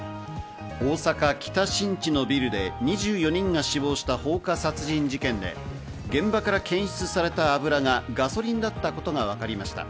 大阪・北新地のビルで２４人が死亡した放火殺人事件で、現場から検出された油がガソリンだったことがわかりました。